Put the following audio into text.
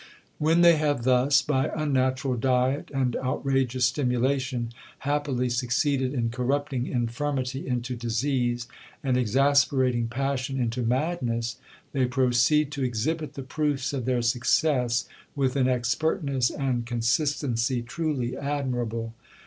When they have thus, by unnatural diet and outrageous stimulation, happily succeeded in corrupting infirmity into disease, and exasperating passion into madness, they proceed to exhibit the proofs of their success, with an expertness and consistency truly admirable.